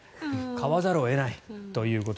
買わざるを得ないと。